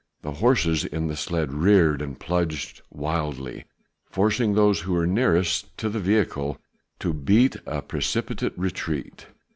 The horses in the sledge reared and plunged wildly, forcing those who were nearest to the vehicle to beat a precipitate retreat.